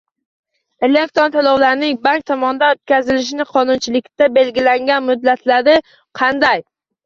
Elektron to‘lovlarning bank tomonidan o‘tkazilishining qonunchilikda belgilangan muddatlari qanday?